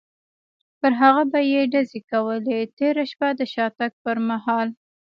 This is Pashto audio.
پر هغه به یې ډزې کولې، تېره شپه د شاتګ پر مهال.